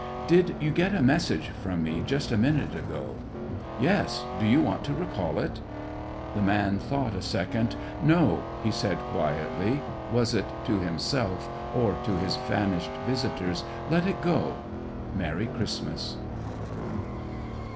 "Did you get a message from me just a minute ago?" "Yes, do you want to recall it?" The man thought a second. "No," he said quietly was it to himself or to his vanished visitors? "let it go. Merry Christmas."